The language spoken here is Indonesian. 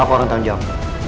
aku akan tanggung jawab